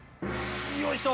よいしょ。